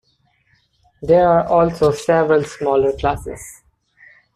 There are also several smaller classes.